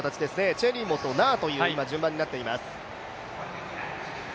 チェリモとナーという順番になっています。